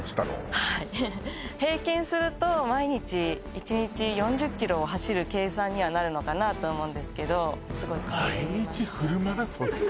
はい平均すると毎日１日４０ｋｍを走る計算にはなるのかなとは思うんですけどすごい毎日フルマラソンよ